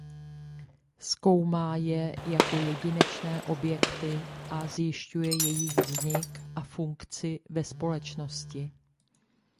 Zkoumá je jako jedinečné objekty a zjišťuje jejich vznik a funkci ve společnosti.